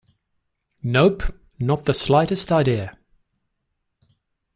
Nope, not the slightest idea.